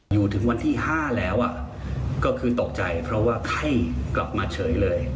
อยู่ถึงวันที่๕แล้วก็คือตกใจเพราะว่าไข้กลับมาเฉยเลย